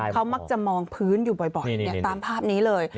เขามักจะมองพื้นอยู่บ่อยตามภาพนี้เลย